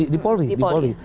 di polri di polri